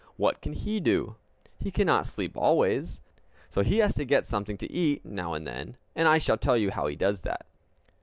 What can he do? He cannot sleep always! So he has to get something to eat now and then, and I shall tell you how he does that.